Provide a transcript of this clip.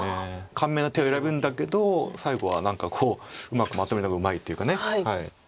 簡明な手を選ぶんだけど最後は何かうまくまとめるのがうまいというか。